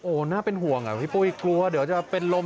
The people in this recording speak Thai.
โอ้โหน่าเป็นห่วงอ่ะพี่ปุ้ยกลัวเดี๋ยวจะเป็นลม